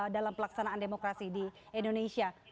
dalam pelaksanaan demokrasi di indonesia